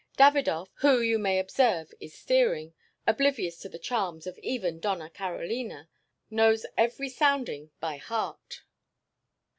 Davidov, who, you may observe, is steering, oblivious to the charms of even Dona Carolina, knows every sounding by heart."